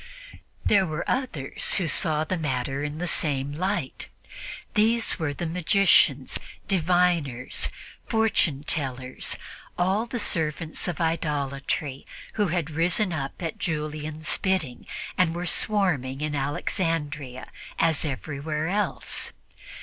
There were others who saw the matter in the same light. These were the magicians, diviners, fortune tellers, all the servants of idolatry who had risen up at Julian's bidding and were swarming in Alexandria as everywhere else.